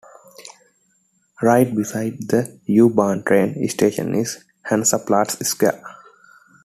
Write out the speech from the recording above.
Right beside the U-bahn train station is Hansaplatz square.